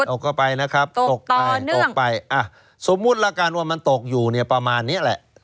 ออกไปนะครับตกไปตกไปอ่ะสมมุติละกันว่ามันตกอยู่เนี่ยประมาณนี้แหละ